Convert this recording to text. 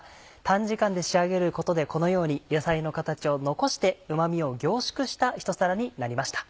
短時間で仕上げることでこのように野菜の形を残してうま味を凝縮したひと皿になりました。